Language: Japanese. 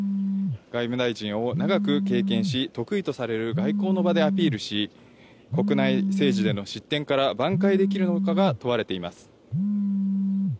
外務大臣を長く経験し、得意とされる外交の場でアピールし、国内政治での失点から挽回できるのかが問われています。